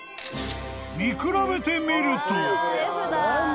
［見比べてみると］